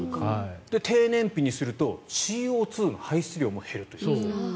低燃費にするとＣＯ２の排出量も減ると。